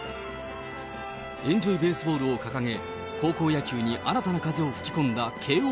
エンジョイ・ベースボールを掲げ、高校野球に新たな風を吹き込んだ慶応